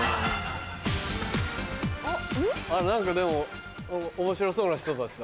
何かでも面白そうな人たちだな。